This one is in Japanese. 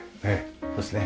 そうですね。